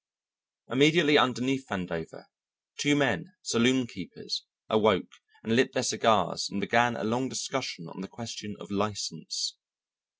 Immediately underneath Vandover two men, saloonkeepers, awoke and lit their cigars and began a long discussion on the question of license.